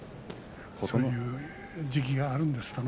そういう時期があるんです。